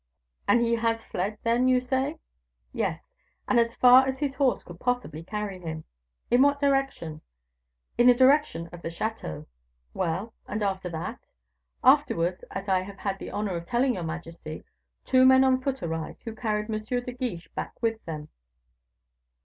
"And he has fled, then, you say?" "Yes; and as fast as his horse could possibly carry him." "In what direction?" "In the direction of the chateau." "Well, and after that?" "Afterwards, as I have had the honor of telling your majesty, two men on foot arrived, who carried M. de Guiche back with them."